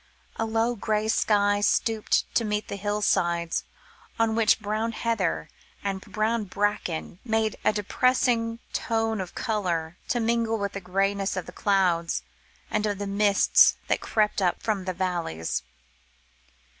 A low grey sky stooped to meet the hill sides, on which brown heather and brown bracken made a depressing tone of colour, to mingle with the greyness of the clouds, and of the mists that crept up from the valleys.